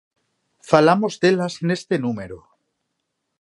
Falamos delas neste número.